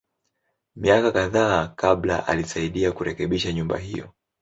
Miaka kadhaa kabla, alisaidia kurekebisha nyumba hiyo.